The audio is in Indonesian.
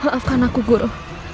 maafkan aku guru